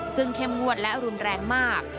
ซึ่งเข้มงวดและรุนแรงมาก